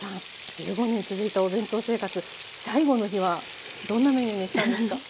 １５年続いたお弁当生活最後の日はどんなメニューにしたんですか？